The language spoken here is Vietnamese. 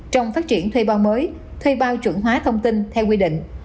trong phát triển thuê bao mới thuê bao chuẩn hóa thông tin theo quy định